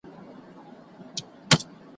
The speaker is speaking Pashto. رښتيني خوبونه د نبوت شپږڅلويښتمه برخه ده.